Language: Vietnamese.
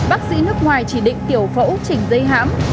ông này chỉ định tiểu phẫu chỉnh dây hám